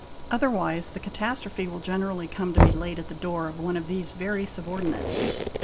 Otherwise the catastrophe will generally come to be laid at the door of one of these very sub ordinates.